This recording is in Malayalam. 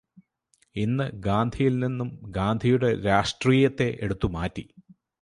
ഇന്ന് ഗാന്ധിയില് നിന്നും ഗാന്ധിയുടെ രാഷ്ട്രീയത്തെ എടുത്തു മാറ്റി